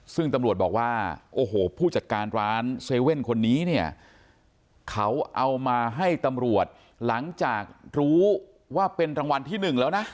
ซึ่งตำรวจบอกว่าโอ้โหผู้จัดการร้าน๗๑๑คนนี้เนี่ยเขาเอามาให้ตำรวจหลังจากรู้ว่าเป็นรางวัลที่หนึ่งแล้วนะ